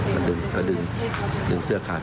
มันก็ดึงเดินเสื้อขาด